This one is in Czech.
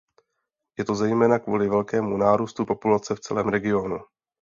Je to zejména kvůli velkému nárůstu populace v celém regionu.